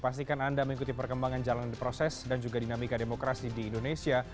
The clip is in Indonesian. pastikan anda mengikuti perkembangan jalanan proses dan juga dinamika demokrasi di indonesia